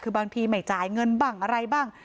คือบางทีไม่จ่ายเงินบ้างอะไรบ้าง